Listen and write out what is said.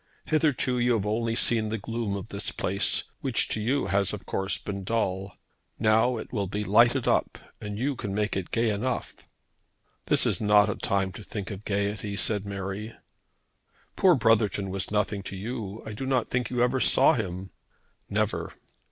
Hitherto you have only seen the gloom of this place, which to you has of course been dull. Now it will be lighted up, and you can make it gay enough." "This is not a time to think of gaiety," said Mary. "Poor Brotherton was nothing to you. I do not think you ever saw him." "Never."